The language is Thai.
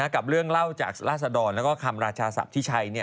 กับเรื่องเล่าจากล่าสะดอนและคำราชาศัพท์ที่ใช้